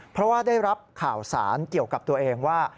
เพราะว่าได้รับข่าวสารเกี่ยวกับตัวเองว่า